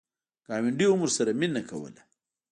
ګاونډي هم ورسره مینه کوله.